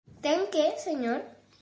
Ten que, señor?